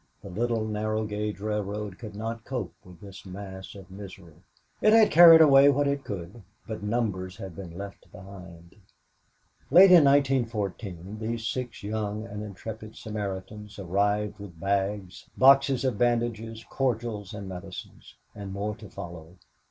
The little narrow gauge railroad could not cope with this mass of misery. It had carried away what it could but numbers had been left behind. Late in 1914 these six young and intrepid Samaritans arrived with bags, boxes of bandages, cordials and medicines and more to follow.